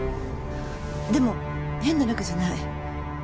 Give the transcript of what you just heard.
でも変な仲じゃない。